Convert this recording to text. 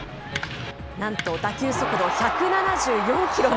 なんと打球速度１７４キロ。